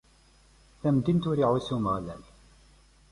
Tamdint ur iɛuss Umeɣlal.